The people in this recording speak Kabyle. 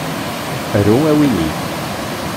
Aru awennit.